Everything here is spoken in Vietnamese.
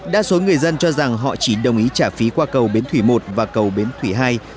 đa số người dân cho rằng họ chỉ đồng ý trả phí qua cầu bến thủy một và cầu bến thủy hai